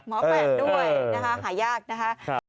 หมอ๘ด้วยหายากนะฮะ